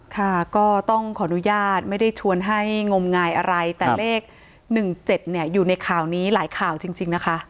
ค่ะก็ต้องขออนุญาตไม่ได้ชวนให้งมงายอะไรแต่เลข๑๗อยู่ในข่าวนี้หลายข่าวจริงนะคะ